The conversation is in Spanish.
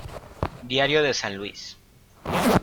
Diario de San Luis.